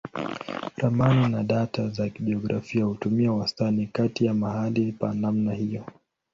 Ramani na data za kijiografia hutumia wastani kati ya mahali pa namna hiyo.